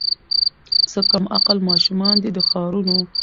څه کم عقل ماشومان دي د ښارونو